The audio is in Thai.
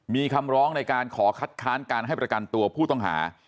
มีคำร้องในการขอคัดค้านการให้ประกันตัวผู้ต้องหา